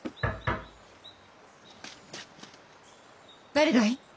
誰だい？